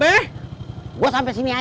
beberapa masjid miseo